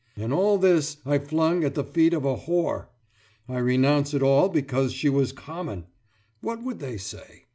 And all this I flung at the feet of a whore. I renounced it all because she was common!« What would they say?